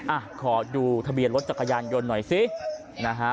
อ่ะขอดูทะเบียนรถจักรยานยนต์หน่อยสินะฮะ